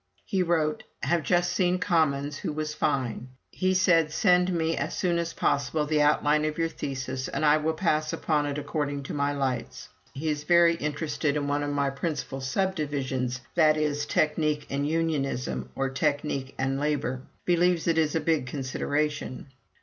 He wrote: "Have just seen Commons, who was fine. He said: 'Send me as soon as possible the outline of your thesis and I will pass upon it according to my lights.' ... He is very interested in one of my principal subdivisions, i.e. 'Technique and Unionism,' or 'Technique and Labor.' Believes it is a big new consideration."